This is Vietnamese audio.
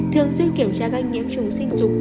thường xuyên kiểm tra các nhiễm trùng sinh dục